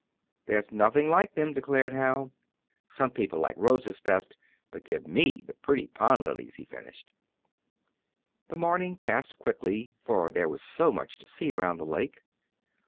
"There's nothing like them," declared Hal. "Some people like roses best, but give me the pretty pond lilies," he finished. The morning passed quickly, for there was so much to see around the lake.